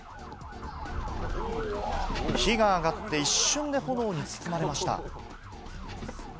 火が上がって、一瞬で炎に包まれました。